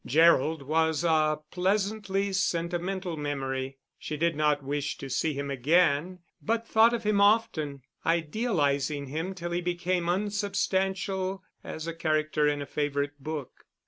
Gerald was a pleasantly sentimental memory; she did not wish to see him again, but thought of him often, idealising him till he became unsubstantial as a character in a favourite book.